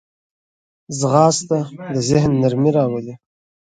ځغاسته د ذهن نرمي راولي